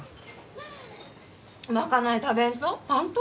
まかない食べんと？